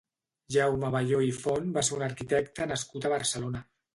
Jaume Bayó i Font va ser un arquitecte nascut a Barcelona.